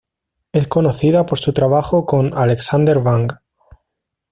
Es conocida por su trabajo con Alexander Wang.